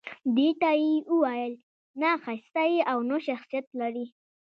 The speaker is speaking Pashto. دې ته يې وويل نه ښايسته يې او نه شخصيت لرې